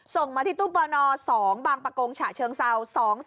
ส่งมาที่ตู้ปน๒บางประกงฉะเชิงเซา